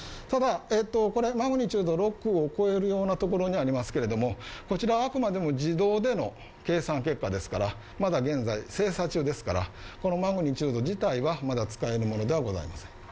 ただこれはマグニチュード６を超えるようなところにありますけれども、こちらはあくまでも自動での計算結果ですから、まだ現在精査中ですから、このマグニチュード自体はまだ使えるものではございません。